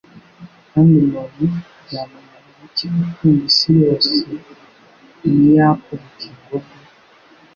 kandi umuntu byamumarira iki gutunga isi yose niyakwa ubugingo bwe?